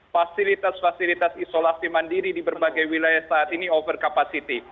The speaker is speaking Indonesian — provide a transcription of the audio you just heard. fasilitas fasilitas isolasi mandiri di berbagai wilayah saat ini over capacity